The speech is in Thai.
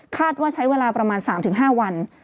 ว่าใช้เวลาประมาณ๓๕วัน